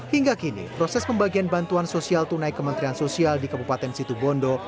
hingga kini proses pembagian bantuan sosial tunai kementerian sosial di kabupaten situbondo